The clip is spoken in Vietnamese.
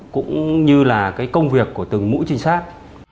cũng như là cái công việc của từng mũi trinh sát